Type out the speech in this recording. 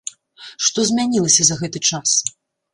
Што змянілася за гэты час?